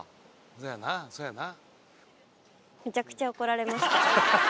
そやなそやな。